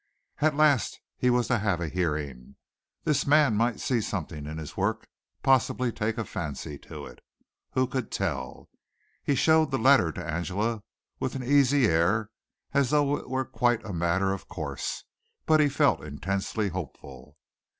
At last he was to have a hearing! This man might see something in his work, possibly take a fancy to it. Who could tell? He showed the letter to Angela with an easy air as though it were quite a matter of course, but he felt intensely hopeful.